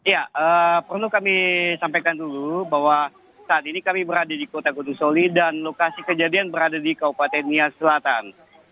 ya perlu kami sampaikan dulu bahwa saat ini kami berada di kota kudusoli dan lokasi kejadian berada di kabupaten nia selatan